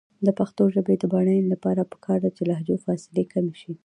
د پښتو ژبې د بډاینې لپاره پکار ده چې لهجو فاصلې کمې شي.